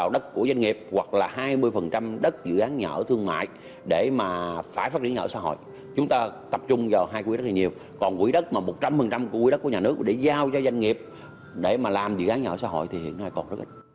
đất của nhà nước để giao cho doanh nghiệp để mà làm dự án nhà ở xã hội thì hiện nay còn rất ít